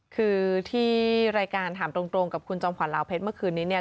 คือที่รายการถามตรงกับคุณจอมขวัลลาวเพชรเมื่อคืนนี้เนี่ย